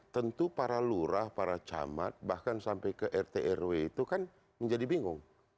tentu para lurah para camat bahkan sampai ke rt rw itu kan menjadi bingung